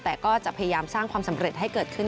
แต่ก็จะพยายามสร้างความสำเร็จให้เกิดขึ้น